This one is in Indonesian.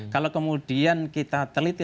kalau kemudian kita teliti